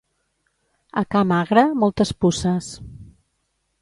A ca magre, moltes puces.